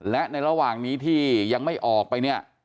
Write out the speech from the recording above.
และในระหว่างนี้ที่ยังไม่ออกไปเนี่ย